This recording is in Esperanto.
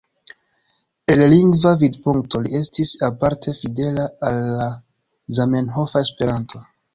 El lingva vidpunkto, li estis aparte fidela al la zamenhofa Esperanto.